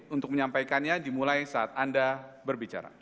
untuk menyampaikannya dimulai saat anda berbicara